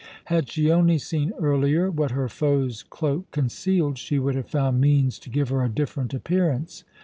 Had she only seen earlier what her foe's cloak concealed, she would have found means to give her a different appearance.